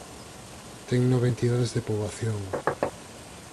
Ten nove entidades de poboación.